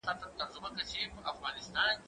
زه اجازه لرم چي مکتب ته لاړ شم؟